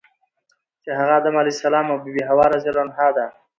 چی هغه ادم علیه السلام او بی بی حوا رضی الله عنها ده .